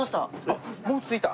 あっもう着いた？